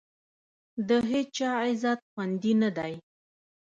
د هېچا عزت خوندي نه دی.